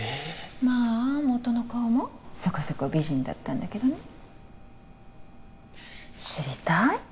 まあ元の顔もそこそこ美人だったんだけどね知りたい？